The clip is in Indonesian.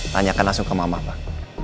tanyakan langsung ke mama pak